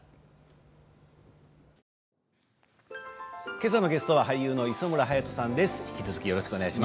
けさのゲストは俳優の磯村勇斗さんです。